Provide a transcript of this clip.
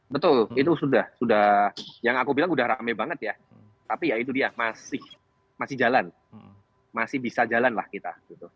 betul itu sudah sudah yang aku bilang udah rame banget ya tapi ya itu dia masih jalan masih bisa jalan lah kita